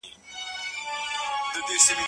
د هر چا په لاس کي خپله عریضه وه